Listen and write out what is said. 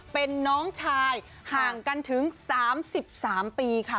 เป็นน้องชายห่างกันถึง๓๓ปีค่ะ